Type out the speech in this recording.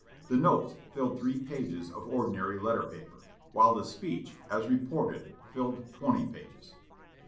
The notes filled three pages of ordinary letter paper, while the speech, as reported, filled twenty pages.